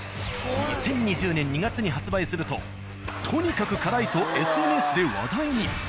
２０２０年２月に発売するととにかく辛いとＳＮＳで話題に。